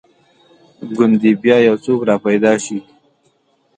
ګوندې بیا یو څوک را پیدا شي.